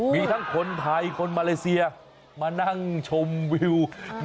มีทั้งคนไทยคนมาเลเซียมานั่งชมวิว